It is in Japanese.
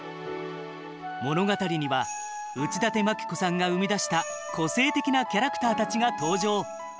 物語には内館牧子さんが生み出した個性的なキャラクターたちが登場。